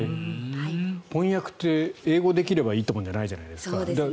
翻訳って英語できればいいってものじゃないじゃないですか。